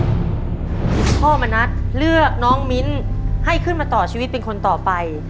พ่อมณัฐเลือกน้องมิ้นให้ขึ้นมาต่อชีวิตเป็นคนต่อไป